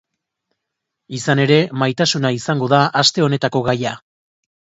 Izan ere, maitasuna izango da aste honetako gaia.